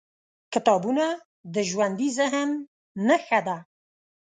کتابونه د ژوندي ذهن نښه ده.